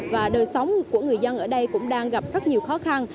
và đời sống của người dân ở đây cũng đang gặp rất nhiều khó khăn